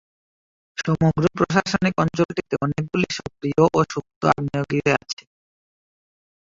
সমগ্র প্রশাসনিক অঞ্চলটিতে অনেকগুলি সক্রিয় ও সুপ্ত আগ্নেয়গিরি আছে।